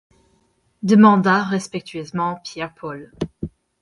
demanda respectueusement Pierre-Paul.